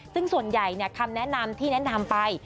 ซึ่งส่วนใหญ่คำแนะนำที่แนะนำไป